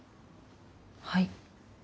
はい。